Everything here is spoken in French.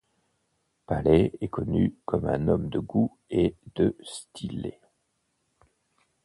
Paley est connu comme un homme de goût et de stylé.